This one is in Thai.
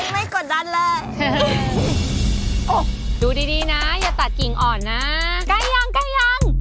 ไม่ไม่กดดันเลย